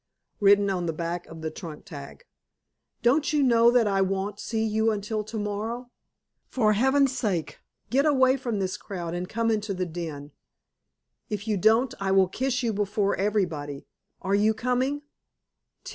WRITTEN ON THE BACK OF THE TRUNK TAG. Don't you know that I won't see you until tomorrow? For Heaven's sake, get away from this crowd and come into the den. If you don't I will kiss you before everybody. Are you coming?